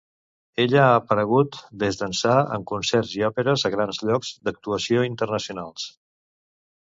Ella ha aparegut des d'ençà en concerts i òperes a grans llocs d'actuació internacionals.